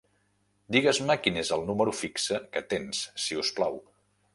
Digues-me quin és el número fixe que tens, si us plau.